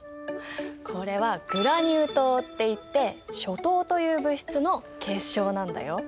これはグラニュー糖っていってショ糖という物質の結晶なんだよ。